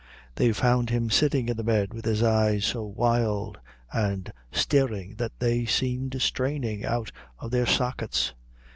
They found him sitting in the bed, with his eyes so wild and staring that they seemed straining out of their sockets.